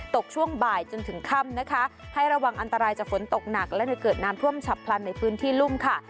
ช่วงบ่ายจนถึงค่ำนะคะให้ระวังอันตรายจากฝนตกหนักและเกิดน้ำท่วมฉับพลันในพื้นที่รุ่มค่ะ